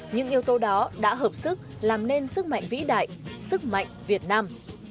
những yếu tố đó đã hợp sức làm nên sức mạnh vĩ đại sức mạnh việt nam